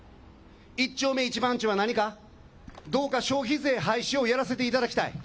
１丁目１番地は何か、どうか消費税廃止をやらせていただきたい。